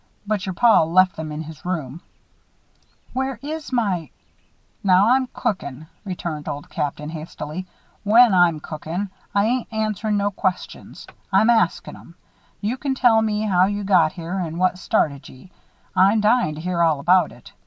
But your paw left some in his room " "Where is my " "Now, I'm cookin'," returned Old Captain, hastily. "When I'm cookin', I ain't answerin' no questions. I'm askin' 'em. You can tell me how you got here and what started ye I'm dyin' to hear all about it.